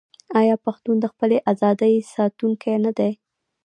آیا پښتون د خپلې ازادۍ ساتونکی نه دی؟